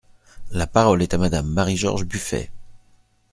La parole est à Madame Marie-George Buffet.